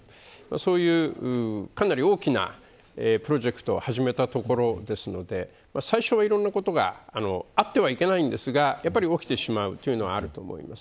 そういう、かなり大きなプロジェクトを始めたところですので最初は、いろんなことがあってはいけないんですがやっぱり起きてしまうというのはあると思います。